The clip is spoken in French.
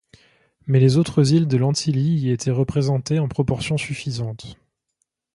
Mais les autres îles de l’Antilie y étaient représentées en proportion suffisante.